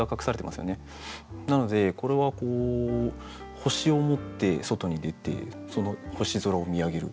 なのでこれは星を持って外に出てその星空を見上げる。